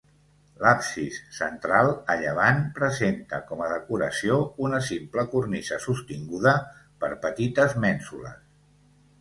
L'absis central, a llevant, presenta com a decoració una simple cornisa sostinguda per petites mènsules.